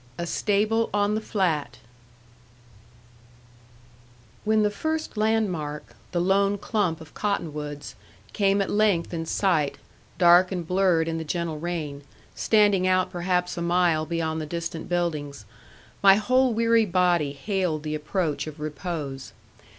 XXX. A STABLE ON THE FLAT When the first landmark, the lone clump of cottonwoods, came at length in sight, dark and blurred in the gentle rain, standing out perhaps a mile beyond the distant buildings, my whole weary body hailed the approach of repose.